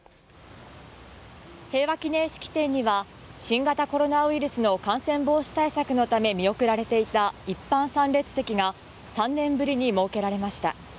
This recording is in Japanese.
平和祈念式典には、新型コロナウイルスの感染防止対策のため見送られていた一般参列席が、３年ぶりに設けられました。